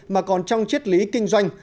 mà còn trong triết lý kinh doanh